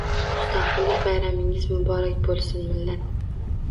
Mustaqillik bayramingiz muborak bo'lsin, millat!